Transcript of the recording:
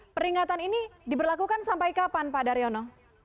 peringatan ini diberlakukan sampai kapan pak daryono